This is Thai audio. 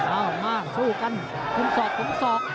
เอ้ามาสู้กันฝุ่มศอกฝุ่มศอก